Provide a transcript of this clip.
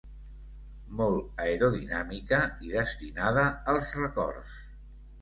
Molt aerodinàmica i destinada als rècords.